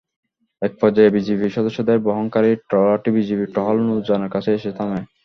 একপর্যায়ে বিজিপির সদস্যদের বহনকারী ট্রলারটি বিজিবির টহল নৌযানের কাছে এসে থামে।